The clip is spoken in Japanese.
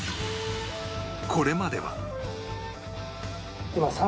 これまでは